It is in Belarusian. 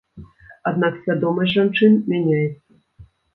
Аднак свядомасць жанчын мяняецца.